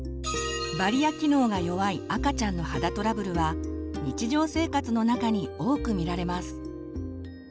バリア機能が弱い赤ちゃんの肌トラブルは日常生活の中に多く見られます。